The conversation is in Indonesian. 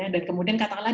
dan kemudian katakanlah